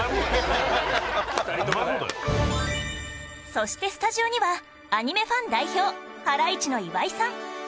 そして、スタジオにはアニメファン代表ハライチの岩井さん